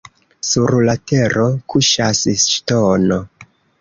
Sur la tero kuŝas ŝtono.